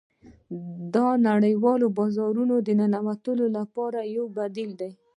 دا د نړیوالو بازارونو د ننوتلو لپاره یو بدیل دی